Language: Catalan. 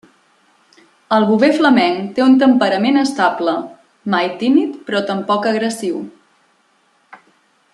El Bover flamenc té un temperament estable; mai tímid però tampoc agressiu.